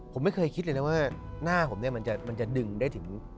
ผมไม่เคยคิดเลยนะว่าหน้าผมเนี่ยมันจะดึงได้ถึง